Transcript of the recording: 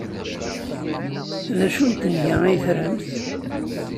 D acu n tenga ay tramt?